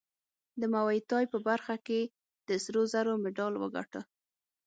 د موی تای په برخه کې د سرو زرو مډال وګاټه